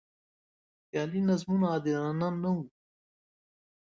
خیالي نظمونه عادلانه نه و.